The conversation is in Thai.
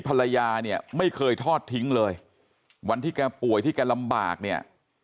ภรรยาเนี่ยไม่เคยทอดทิ้งเลยวันที่แกป่วยที่แกลำบากเนี่ย